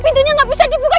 pintunya gak bisa dibuka